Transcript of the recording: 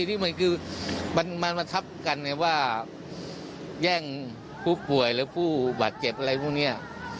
นี่มันคือมันมาทับกันไงว่าแย่งผู้ป่วยหรือผู้บาดเจ็บอะไรพวกนี้